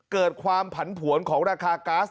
เกิดความผันผวนของราคาก๊าซ